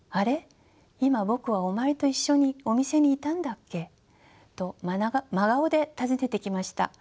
今僕はお前と一緒にお店にいたんだっけ？」と真顔で尋ねてきました。